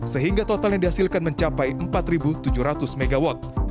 sehingga total yang dihasilkan mencapai empat tujuh ratus mw